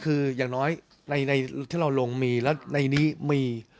คืออย่างน้อยในที่เราลงมีแล้วในนี้มี